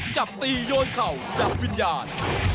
จับตีโยนเข่าจับวิญญาณ